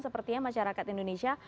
sepertinya masyarakat indonesia